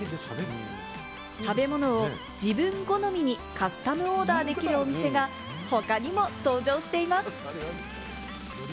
食べ物を自分好みにカスタムオーダーできるお店が他にも登場しています。